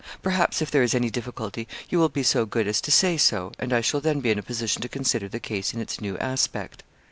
Perhaps, if there is any difficulty, you will be so good as to say so, and I shall then be in a position to consider the case in its new aspect.'